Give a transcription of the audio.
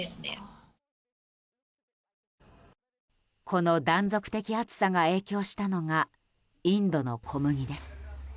この断続的暑さが影響したのがインドの小麦です。